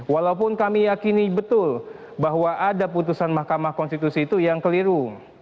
walaupun kami yakini betul bahwa ada putusan mahkamah konstitusi itu yang keliru